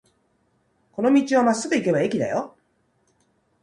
この道をまっすぐ行けば駅だよ。